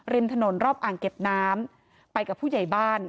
ริมถนนรอบอ่างเก็บน้ำไปกับผู้ใหญ่บ้าน